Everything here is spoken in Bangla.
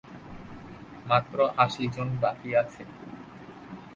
মাত্র আশিজন বাকী আছে।